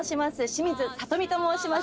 清水里美と申します。